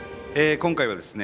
今回はですね